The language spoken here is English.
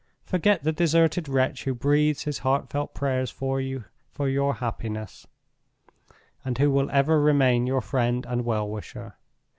Forget the deserted wretch who breathes his heartfelt prayers for your happiness, and who will ever remain your friend and well wisher.